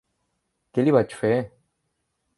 Què li vaig fer?